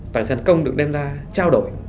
tài sản công được đem ra trao đổi